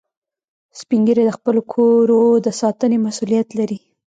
سپین ږیری د خپلو کورو د ساتنې مسئولیت لري